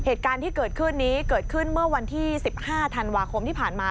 เหตุการณ์ที่เกิดขึ้นนี้เกิดขึ้นเมื่อวันที่๑๕ธันวาคมที่ผ่านมา